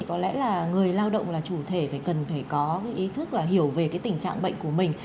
có lẽ là người lao động là chủ thể phải cần phải có cái ý thức là hiểu về cái tình trạng bệnh của mình